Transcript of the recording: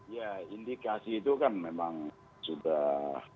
ya indikasi itu kan memang sudah